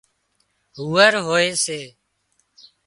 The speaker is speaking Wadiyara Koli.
هوئرهوئي سي